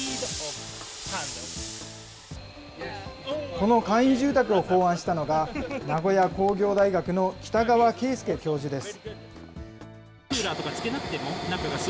この簡易住宅を考案したのが、名古屋工業大学の北川啓介教授です。